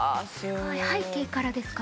背景からですか？